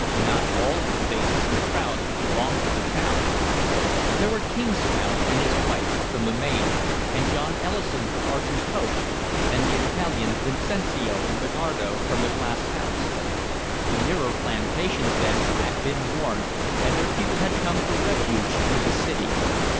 Not all of the faces in the crowd belonged to the town: there were Kingsmell and his wife from the main, and John Ellison from Archer's Hope, and the Italians Vincencio and Bernardo from the Glass House. The nearer plantations, then, had been warned, and their people had come for refuge to the city.